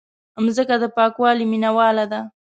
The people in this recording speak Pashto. مځکه د پاکوالي مینواله ده.